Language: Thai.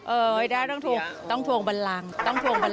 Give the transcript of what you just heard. เออได้ต้องทวงบันรัง